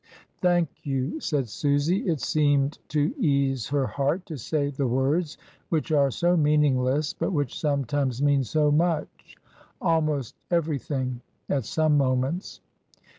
"Thank you," said Susy. It seemed to ease her heart to say the words which are so meaningless, but which sometimes mean so much — almost every thing, at some moments.